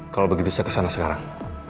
saya akan pergi ke sana sekarang